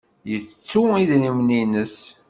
Yettu idrimen-nnes.